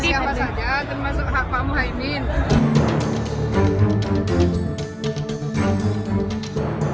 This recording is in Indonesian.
siapa saja termasuk hak pamu haimin